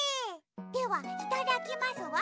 ではいただきますわ。